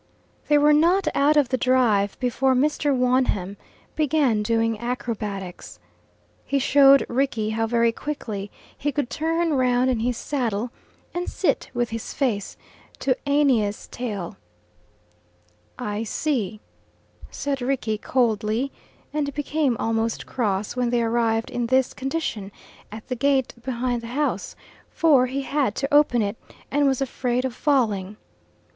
They were not out of the drive before Mr. Wonham began doing acrobatics. He showed Rickie how very quickly he could turn round in his saddle and sit with his face to Aeneas's tail. "I see," said Rickie coldly, and became almost cross when they arrived in this condition at the gate behind the house, for he had to open it, and was afraid of falling.